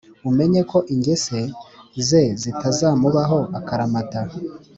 umenye ko ingese ze zitazamubaho akaramata